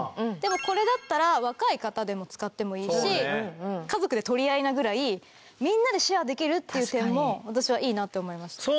でもこれだったら若い方でも使ってもいいし家族で取り合いなぐらいみんなでシェアできるっていう点も私はいいなって思いました。